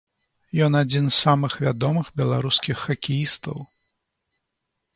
Ён адзін з самых вядомых беларускіх хакеістаў.